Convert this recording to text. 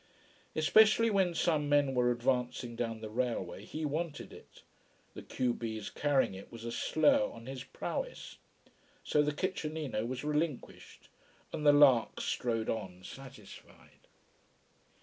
Especially when some men were advancing down the railway he wanted it: the q b's carrying it was a slur on his prowess. So the kitchenino was relinquished, and the lark strode on satisfied.